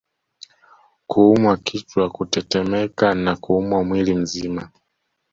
Kuumwa kichwa kutetemeka na kuumwa mwili mzima